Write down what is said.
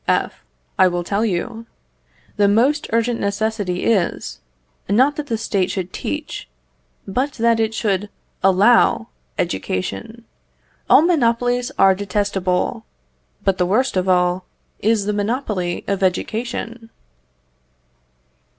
F. I will tell you. The most urgent necessity is, not that the State should teach, but that it should allow education. All monopolies are detestable, but the worst of all is the monopoly of education.